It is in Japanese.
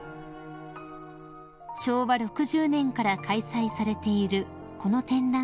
［昭和６０年から開催されているこの展覧会］